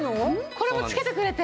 これも付けてくれて？